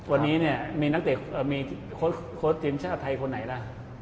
วันนี้เนี่ยมีนักเตะมีโค้ชทีมชาติไทยคนไหนล่ะ